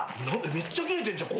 めっちゃキレてんじゃん。